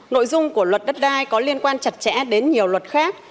nội dung của luật đất đai có liên quan chặt chẽ đến nhiều luật khác